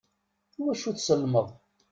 Iwacu tsellmeḍ?